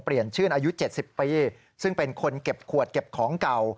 ชื่นอายุ๗๐ปีซึ่งเป็นคนเก็บขวดเก็บของเก่า